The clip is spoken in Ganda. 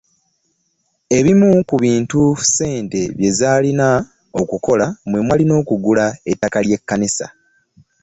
Ebimu ku bintu ssente byezaalina okukola mwe mwali n'okugula ettaka ly'ekkanisa